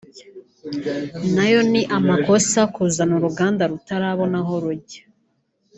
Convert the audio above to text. nayo ni amakosa kuzana uruganda rutarabona aho rujya